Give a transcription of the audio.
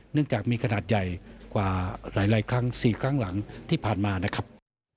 จากมีขนาดใหญ่กว่าหลายครั้ง๔ครั้งหลังที่ผ่านมานะครับ